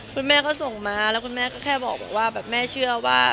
คุณแม่ก็ส่งมาแล้วคุณแม่ก็แค่บอกว่าแบบแม่เชื่อว่า